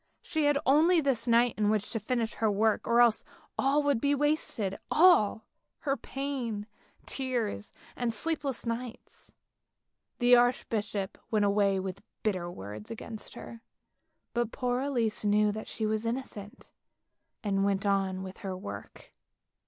She had only this night in which to finish her work, or else all would be wasted, all — her pain, tears and sleepless nights. The archbishop went away with bitter words against her, but poor Elise knew that she was innocent, and she went on with her work.